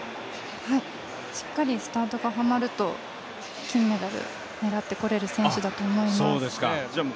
しっかりスタートがはまると金メダル狙ってこれる選手だと思います。